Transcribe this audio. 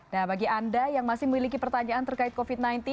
nah bagi anda yang masih memiliki pertanyaan terkait covid sembilan belas